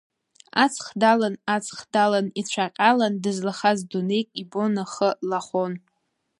Аҵх далан, аҵх далан ицәа ҟьалан, дызлахаз дунеик, ибон, ахы лахон.